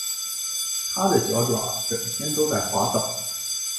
他的脚爪整天都在滑倒